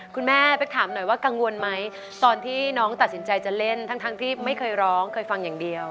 คุณแม่เป๊กถามหน่อยว่ากังวลไหมตอนที่น้องตัดสินใจจะเล่นทั้งที่ไม่เคยร้องเคยฟังอย่างเดียว